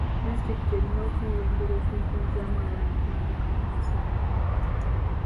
Disitulikiti erina okuyiiya engeri okuziyiza abaana okuwanduka mu masomero.